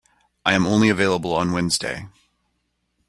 I am only available on Wednesday.